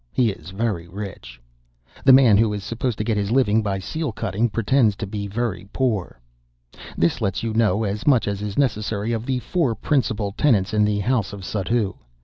He is very rich. The man who is supposed to get his living by seal cutting pretends to be very poor. This lets you know as much as is necessary of the four principal tenants in the house of Suddhoo.